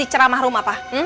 ini cara mahrum apa